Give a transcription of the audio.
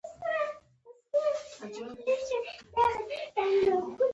دوکاندار د خلکو باور تر هر څه مهم ګڼي.